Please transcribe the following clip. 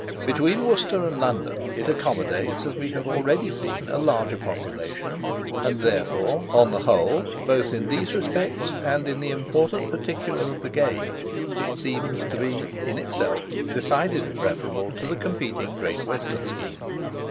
Between Worcester and London it accommodates, as we have already seen, a larger population; and therefore, on the whole, both in these respects and in the important particular of the gauge, it seems to us to be in itself decidedly preferable to the competing Great Western scheme.